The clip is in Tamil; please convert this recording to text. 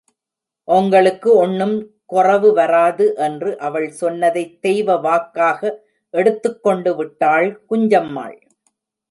ஒங்களுக்கு ஒண்ணும் கொறவு வராது! என்று அவள் சொன்னதைத் தெய்வ வாக்காக எடுத்துக்கொண்டுவிட்டாள் குஞ்சம்மாள்.